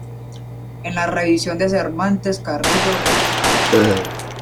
En la revisión de Cervantes-Carrillo et al.